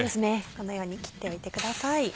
このように切っておいてください。